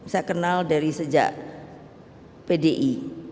saya kenal dari sejak pdi